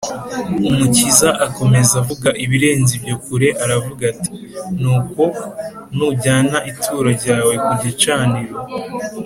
umukiza akomeza avuga ibirenze ibyo kure aravuga ati, “nuko nujyana ituro ryawe ku gicaniro,